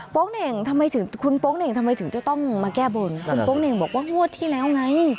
โป๊งเน่งทำไมถึงต้องมาแก้บนคุณโป๊งเน่งบอกว่าหัวที่แล้วไง